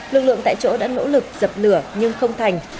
lực lượng tại chỗ đã nỗ lực dập lửa nhưng không thành